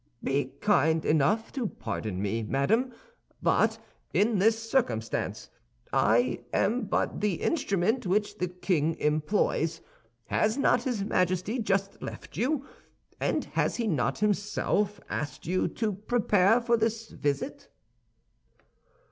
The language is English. "Be kind enough to pardon me, madame; but in this circumstance I am but the instrument which the king employs. Has not his Majesty just left you, and has he not himself asked you to prepare for this visit?"